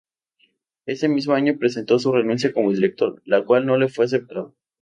Ese mismo año presentó su renuncia como director, la cual no le fue aceptada.